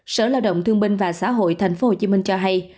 sở lao động thương minh và xã hội thành phố hồ chí minh cho hay